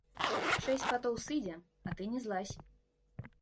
Шэсць патоў сыдзе, а ты не злазь.